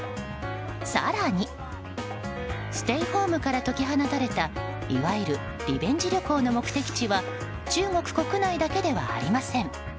更にステイホームから解き放たれたいわゆるリベンジ旅行の目的地は中国国内だけではありません。